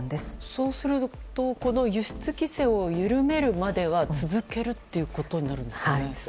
そうすると輸出規制を緩めるまでは続けるということになるんでしょうか。